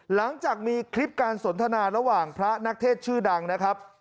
หลังจากมีคลิปการสนทนาระหว่างพระนักเทศชื่อดังนะครับ